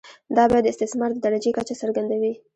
دا بیه د استثمار د درجې کچه څرګندوي